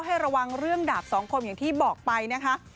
ให้ระวังเรื่องดาบสองคมอย่างที่บอกไปนะคะ